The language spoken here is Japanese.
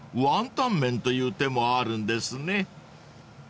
ワンタン麺という手もあるんですね］